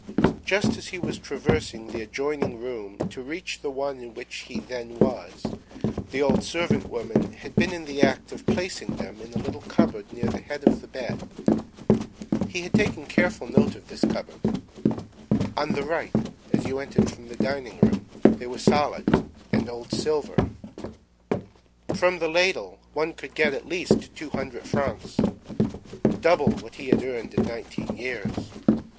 —Just as he was traversing the adjoining room to reach the one in which he then was, the old servant woman had been in the act of placing them in a little cupboard near the head of the bed.—He had taken careful note of this cupboard.—On the right, as you entered from the dining room.—They were solid.—And old silver.—From the ladle one could get at least two hundred francs.—Double what he had earned in nineteen years.